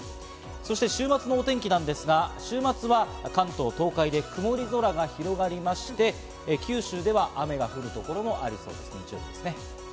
そして週末のお天気なんですが、週末は関東、東海で曇り空が広がりまして、九州では雨が降るところもあるでしょう。